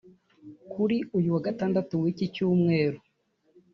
Kuri uyu wa gatandatu w’iki cyumweru